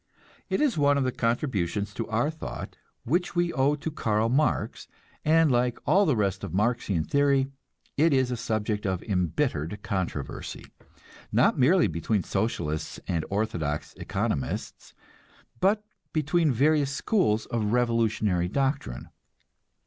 It is one of the contributions to our thought which we owe to Karl Marx, and like all the rest of Marxian theory, it is a subject of embittered controversy, not merely between Socialists and orthodox economists, but between various schools of revolutionary doctrine.